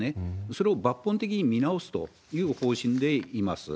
それを抜本的に見直すという方針でいます。